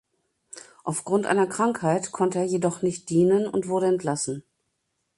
Aufgrund einer Krankheit konnte er jedoch nicht dienen und wurde entlassen.